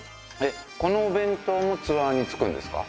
このお弁当もツアーに付くんですか？